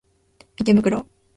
池袋